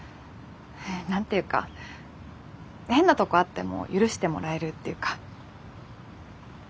何て言うか変なとこあっても許してもらえるっていうか。